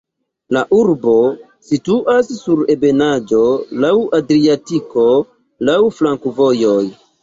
La urbo situas sur ebenaĵo, laŭ Adriatiko, laŭ flankovojoj.